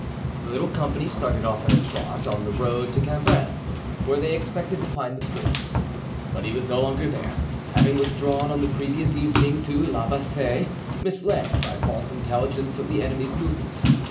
The little company started off at a trot on the road to Cambrin, where they expected to find the prince. But he was no longer there, having withdrawn on the previous evening to La Bassee, misled by false intelligence of the enemy's movements.